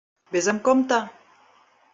Vés amb compte!